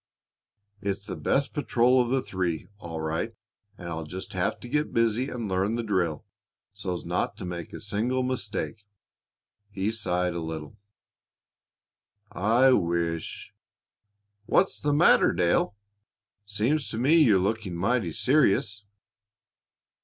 "It's the best patrol of the three, all right, and I'll just have to get busy and learn the drill, so's not to make a single mistake." He sighed a little. "I wish " "What's the matter, Dale? Seems to me you're looking mighty serious."